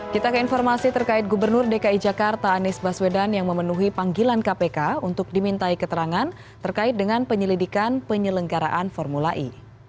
kita ke informasi terkait gubernur dki jakarta anies baswedan yang memenuhi panggilan kpk untuk dimintai keterangan terkait dengan penyelidikan penyelenggaraan formula e